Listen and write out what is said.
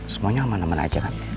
semuanya aman aman aja kan